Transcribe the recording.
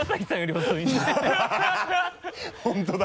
本当だ。